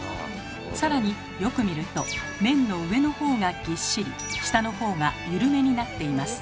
更によく見ると麺の上の方がぎっしり下の方がゆるめになっています。